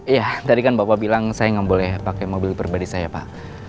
iya tadi kan bapak bilang saya nggak boleh pakai mobil pribadi saya pak